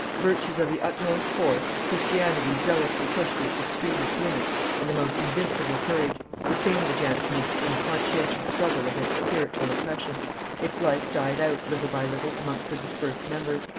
Virtues of the utmost force, Christianity zealously pushed to its extremest limits, and the most invincible courage, sustained the Jansenists in a conscientious struggle against spiritual oppression; its life died out, little by little, amongst the dispersed members.